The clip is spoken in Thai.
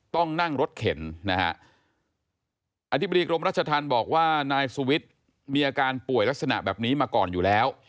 ต้องนั่งรถเข็นนะฮะอธิบดีกรมรัชธรรมบอกว่านายสุวิทย์มีอาการป่วยลักษณะแบบนี้มาก่อนอยู่แล้ว